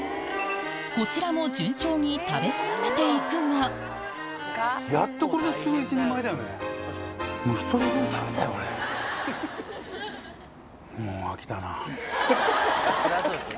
こちらも順調に食べ進めていくがそりゃそうですよ